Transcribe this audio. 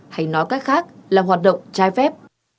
hay nói cách khác là hoạt động trai phép